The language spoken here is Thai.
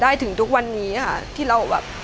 อายุ๒๔ปีวันนี้บุ๋มนะคะ